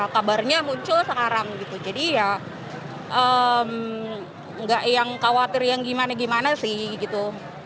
kabarnya muncul sekarang gitu jadi ya nggak yang khawatir yang gimana gimana sih gitu